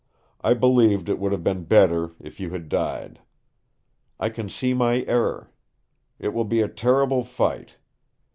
I believed it would have been better if you had died. I can see my error. It will be a terrible fight.